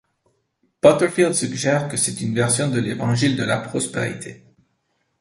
Butterfield suggère que c'est une version de l'évangile de la prospérité.